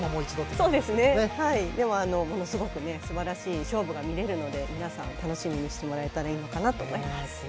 でも、ものすごくすばらしい勝負が見れるので皆さん、楽しみにしてもらえたらいいかなと思います。